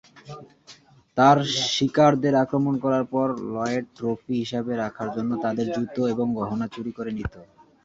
তার শিকারদের আক্রমণ করার পর, লয়েড ট্রফি হিসাবে রাখার জন্য তাদের জুতো এবং গহনা চুরি করে নিত।